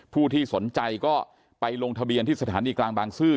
ผู้ที่สนใจก็ไปลงทะเบียนที่สถานีกลางบางซื่อ